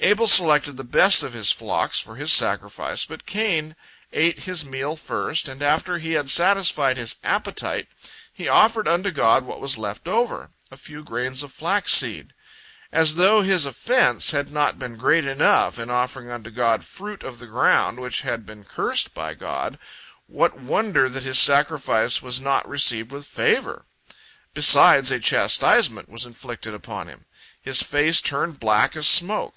Abel selected the best of his flocks for his sacrifice, but Cain ate his meal first, and after he had satisfied his appetite, he offered unto God what was left over, a few grains of flax seed. As though his offense had not been great enough in offering unto God fruit of the ground which had been cursed by God! What wonder that his sacrifice was not received with favor! Besides, a chastisement was inflicted upon him. His face turned black as smoke.